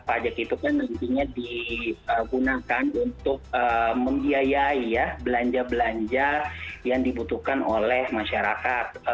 pajak itu kan nantinya digunakan untuk membiayai ya belanja belanja yang dibutuhkan oleh masyarakat